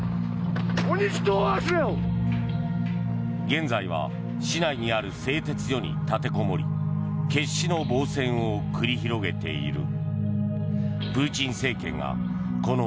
現在は市内にある製鉄所に立てこもり決死の防戦を繰り広げている。